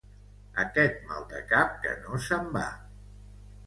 Aquest mal de cap que no se'n va!